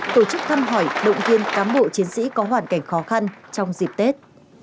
tổ chức thăm hỏi động viên cán bộ chiến sĩ có hoàn cảnh khó khăn trong dịp tết